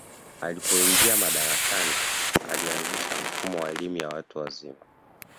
alipoingia madarakani alianzisha mfumo wa elimu ya watu wazima